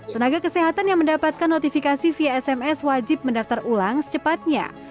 tenaga kesehatan yang mendapatkan notifikasi via sms wajib mendaftar ulang secepatnya